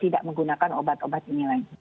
tidak menggunakan obat obat ini lagi